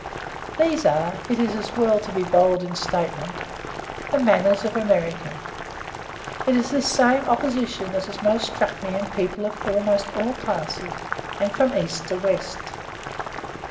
These are (it is as well to be bold in statement) the manners of America. It is this same opposition that has most struck me in people of almost all classes and from east to west.